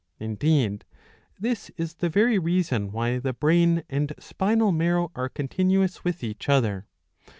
Indeed this is the very reason why the brain and spinal marrow are continuous with each other.